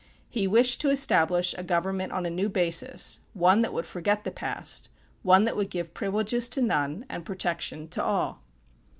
He wished to establish a government on a new basis; one that would forget the past; one that would give privileges to none, and protection to all.